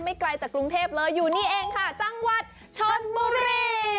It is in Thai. ไกลจากกรุงเทพเลยอยู่นี่เองค่ะจังหวัดชนบุรี